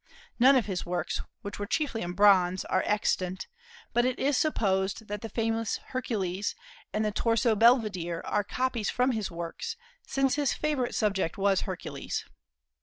None of his works, which were chiefly in bronze, are extant; but it is supposed that the famous Hercules and the Torso Belvedere are copies from his works, since his favorite subject was Hercules.